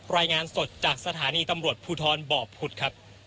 รายงานสดจากสถานีตำรวจภูทรบ่อพุธครับ